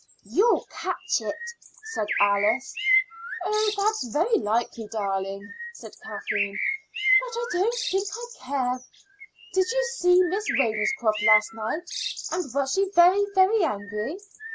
"You'll catch it," said Alice. "Oh, that's very likely, darling," said Kathleen; "but I don't think I much care. Did you see Miss Ravenscroft last night, and was she very, very angry?"